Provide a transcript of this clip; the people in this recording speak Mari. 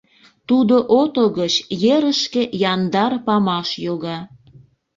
Тудо ото гыч ерышке яндар памаш йога.